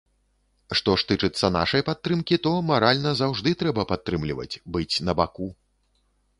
Што ж тычыцца нашай падтрымкі, то маральна заўжды трэба падтрымліваць, быць на баку.